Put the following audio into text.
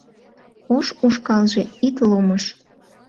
Ош ушкалже, ит ломыж